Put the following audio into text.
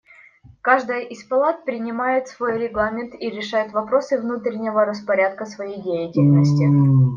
Каждая из палат принимает свой регламент и решает вопросы внутреннего распорядка своей деятельности.